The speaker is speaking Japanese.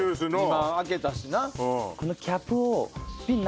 今開けたしな。